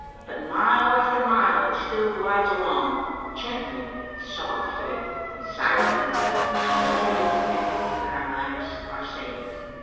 But, mile after mile, it still glides along, gently, softly, silently, and then I dare to think that our lives are saved.